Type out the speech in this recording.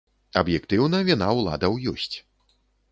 Аб'ектыўна, віна ўладаў ёсць.